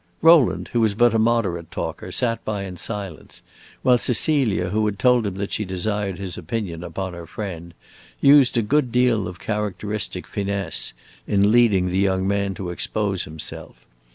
Rowland, who was but a moderate talker, sat by in silence, while Cecilia, who had told him that she desired his opinion upon her friend, used a good deal of characteristic finesse in leading the young man to expose himself.